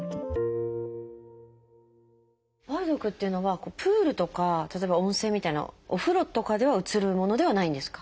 梅毒っていうのはプールとか例えば温泉みたいなお風呂とかではうつるものではないんですか？